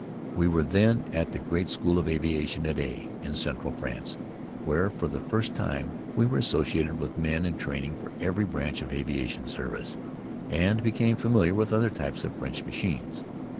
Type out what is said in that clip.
We were then at the great school of aviation at A in central France, where, for the first time, we were associated with men in training for every branch of aviation service, and became familiar with other types of French machines.